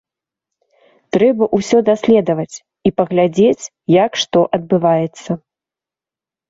Трэба ўсё даследаваць і паглядзець, як што адбываецца.